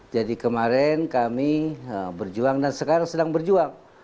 jadi kemarin kami berjuang dan sekarang sedang berjuang